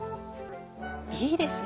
いいですね